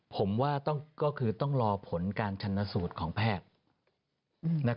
ผมว่าก็คือต้องรอผลการชนสูตรของแพทย์